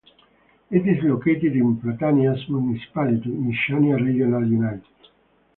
It is located in Platanias municipality, in Chania regional unit.